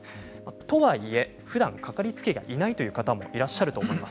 とはいえふだん掛かりつけ医がいないという方もいらっしゃると思います。